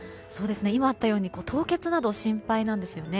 今あったように凍結など心配なんですよね。